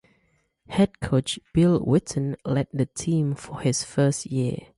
Head coach Bill Whitton led the team for his first year.